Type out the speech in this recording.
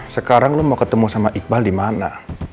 sekarang lo mau ketemu sama iqbal di mana